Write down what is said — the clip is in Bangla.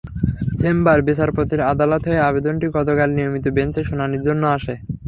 চেম্বার বিচারপতির আদালত হয়ে আবেদনটি গতকাল নিয়মিত বেঞ্চে শুনানির জন্য আসে।